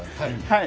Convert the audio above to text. はい。